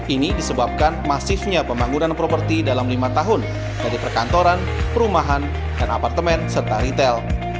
ini disebabkan masifnya pembangunan properti dalam lima tahun dari perkantoran perumahan dan apartemen serta retail